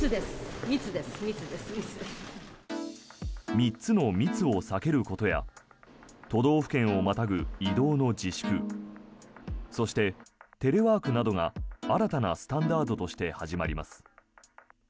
３つの密を避けることや都道府県をまたぐ移動の自粛そして、テレワークなどが新たなスタンダードとして始まります。